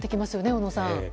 小野さん。